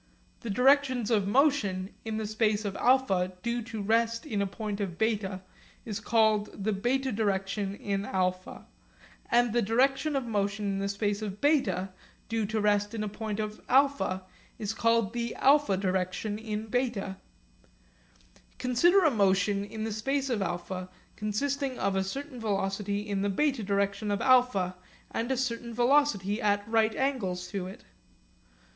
The directions of motion in the space of α due to rest in a point of β is called the 'β direction in α' and the direction of motion in the space of β due to rest in a point of α is called the 'α direction in β.' Consider a motion in the space of α consisting of a certain velocity in the β direction of α and a certain velocity at right angles to it.